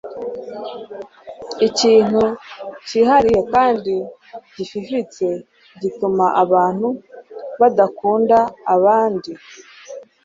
Ikintu cyihariye kandi gififitse gituma abantu badakunda abandi